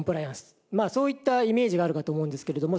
まあそういったイメージがあるかと思うんですけれども。